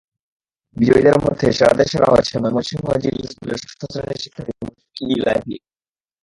বিজয়ীদের মধ্যে সেরাদের সেরা হয়েছে ময়মনসিংহ জিলা স্কুলের ষষ্ঠ শ্রেণির শিক্ষার্থী মুশফিক-ই-ইলাহী।